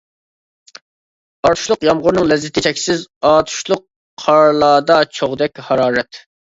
ئاتۇشلۇق يامغۇرنىڭ لەززىتى چەكسىز، ئاتۇشلۇق قارلاردا چوغدەك ھارارەت.